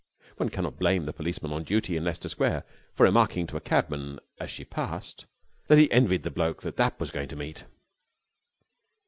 One cannot blame the policeman on duty in Leicester Square for remarking to a cabman as she passed that he envied the bloke that that was going to meet.